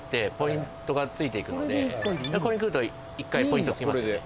ここに来ると１回ポイントつきますよね